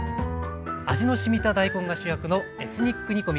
味のしみた大根が主役のエスニック煮込み。